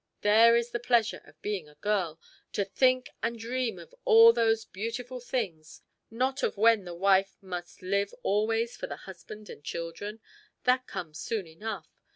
there is the pleasure of being a girl to think and dream of all those beautiful things, not of when the wife must live always for the husband and children. That comes soon enough.